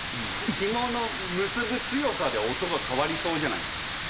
ひもの結ぶ強さで音が変わりそうじゃないですか。